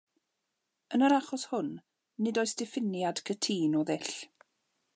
Yn yr achos hwn, nid oes diffiniad cytûn o ddull.